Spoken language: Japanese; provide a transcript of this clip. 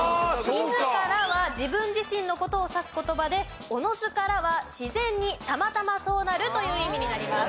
「自ら」は自分自身の事を指す言葉で「自ずから」は自然にたまたまそうなるという意味になります。